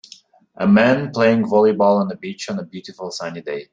A man playing volleyball on a beach on a beautiful sunny day.